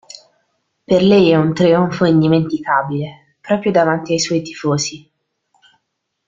Per lei è un trionfo indimenticabile, proprio davanti ai suoi tifosi.